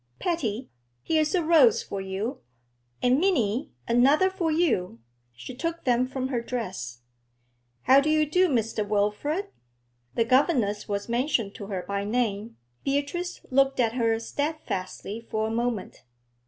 Patty, here's a rose for you, and, Minnie, another for you.' She took them from her dress. 'How do you do, Mr. Wilfrid?' The governess was mentioned to her by name; Beatrice looked at her steadfastly for a moment.